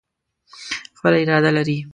خپله اراده لري.